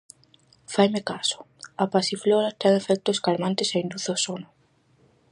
-Faime caso, a pasiflora ten efectos calmantes e induce ao sono.